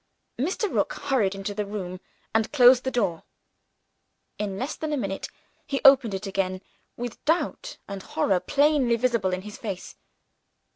Mr. Rook hurried into the room, and closed the door. In less than a minute, he opened it again, with doubt and horror plainly visible in his face.